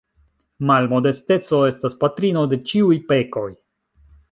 Malmodesteco estas patrino de ĉiuj pekoj.